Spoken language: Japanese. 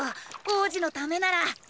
王子のためなら！